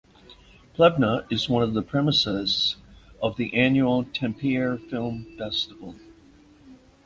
Plevna is one of the premises of the annual Tampere Film Festival.